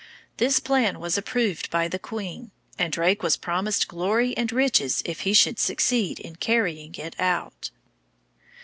This plan was approved by the queen, and Drake was promised glory and riches if he should succeed in carrying it out.